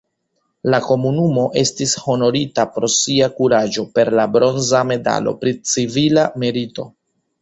La komunumo estis honorita pro sia kuraĝo per la bronza medalo pri civila merito.